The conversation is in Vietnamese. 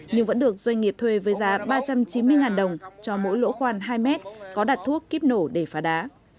nhưng vẫn được doanh nghiệp thuê với giá ba trăm chín mươi đồng cho mỗi lỗ khoan hai mét có đặt thuốc kiếp nổ để phá đá